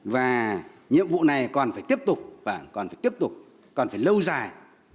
và nhiệm vụ này còn phải tiếp tục còn phải lâu dài